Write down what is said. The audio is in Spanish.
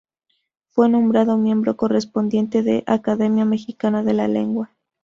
Fue nombrado miembro correspondiente de la Academia Mexicana de la Lengua.